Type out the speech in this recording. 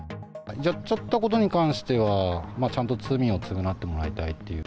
やっちゃったことに関しては、ちゃんと罪を償ってもらいたいという。